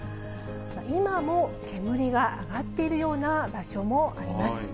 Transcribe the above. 今も煙が上がっているような場所もあります。